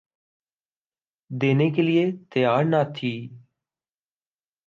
دینے کے لئے تیّار نہ تھی۔